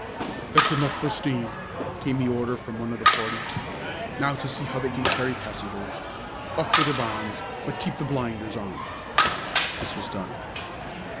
"That's enough for steam," came the order from one of the party. "Now to see how they can carry passengers. Off with their bonds, but keep the blinders on." This was done.